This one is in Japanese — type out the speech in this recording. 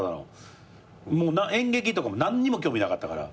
演劇とかも何にも興味なかったから。